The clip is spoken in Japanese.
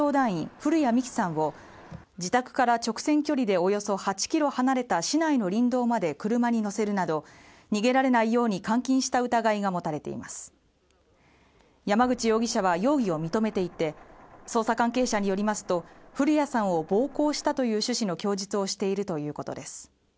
古屋美紀さんを自宅から直線距離でおよそ８キロ離れた市内の林道まで車に乗せるなど逃げられないように監禁した疑いが持たれています山口容疑者は容疑を認めていて捜査関係者によりますと古屋さんを暴行したという趣旨の供述をしているということです